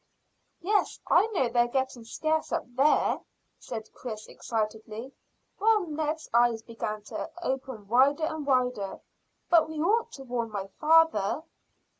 "Yes, I know they're getting scarce up there," said Chris excitedly, while Ned's eyes began to open wider and wider. "But we ought to warn my father."